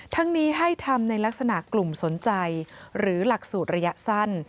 ทั้งนี้ให้ทำในลักษณะกลุ่มสนใจหรือหลักสูตรระยะสั้น